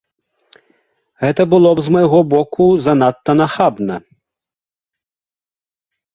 Гэта было б з майго боку занадта нахабна.